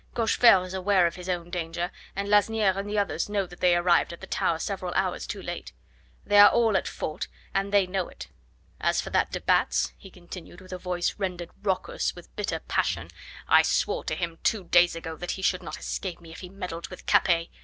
Cochefer is aware of his own danger, and Lasniere and the others know that they arrived at the Tower several hours too late. They are all at fault, and they know it. As for that de Batz," he continued with a voice rendered raucous with bitter passion, "I swore to him two days ago that he should not escape me if he meddled with Capet.